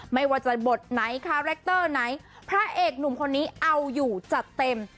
ไม่ว่าจะบทไหนคาแรคเตอร์ไหนพระเอกหนุ่มคนนี้เอาอยู่จัดเต็ม